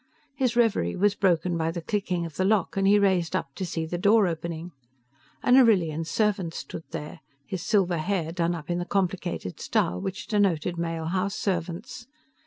His reverie was broken by the clicking of the lock and he raised up to see the door opening. An Arrillian servant stood there, his silver hair done up in the complicated style which denoted male house servants.